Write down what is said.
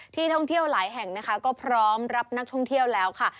ท่องเที่ยวหลายแห่งนะคะก็พร้อมรับนักท่องเที่ยวแล้วค่ะ